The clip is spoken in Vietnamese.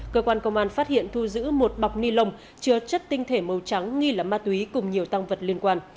cơ quan công an phát hiện thu giữ một bọc ni lông chứa chất tinh thể màu trắng nghi là ma túy cùng nhiều tăng vật liên quan